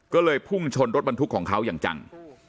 ก็เลยพุ่งชนรถบรรทุกของเขาอย่างจัง